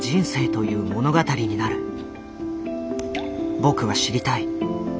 僕は知りたい。